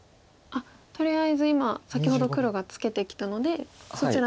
とりあえず今先ほど黒がツケてきたのでそちら